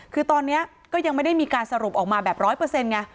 คือตอนนี้ก็ยังไม่ได้มีการสรุปออกมาแบบร้อยเปอร์เซ็นต์ไง